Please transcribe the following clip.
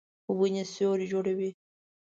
ونې سیوری جوړوي.